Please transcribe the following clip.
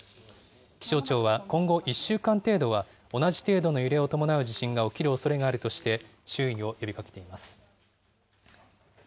気象庁は今後１週間程度は同じ程度の揺れを伴う地震が起きるおそれがあるとして、注意を呼びかけています。